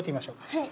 はい。